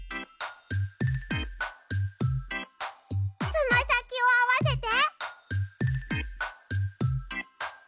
つまさきをあわせて。